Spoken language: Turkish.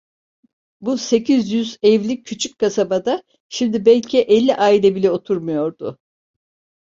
Bu sekiz yüz evli küçük kasabada, şimdi belki elli aile bile oturmuyordu.